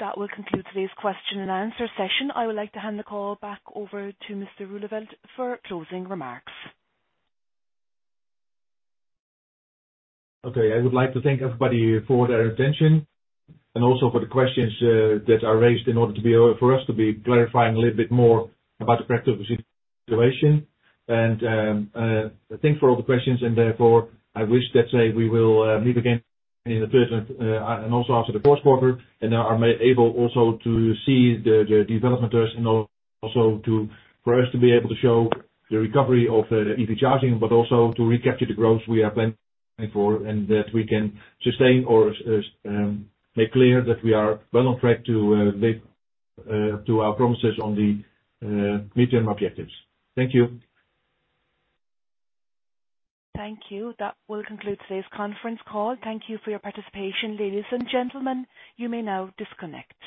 Speaker 1: that will conclude today's question and answer session. I would like to hand the call back over to Mr. Roeleveld for closing remarks.
Speaker 2: Okay, I would like to thank everybody for their attention, and also for the questions, that are raised in order to be, for us to be clarifying a little bit more about the practice situation. Thanks for all the questions, and therefore, I wish, let's say, we will, meet again in the present, and also after the Q4, and are able also to see the development there, and also to... for us to be able to show the recovery of the EV charging, but also to recapture the growth we are planning for, and that we can sustain or, make clear that we are well on track to, live, to our promises on the, medium objectives. Thank you.
Speaker 1: Thank you. That will conclude today's conference call. Thank you for your participation, ladies and gentlemen. You may now disconnect.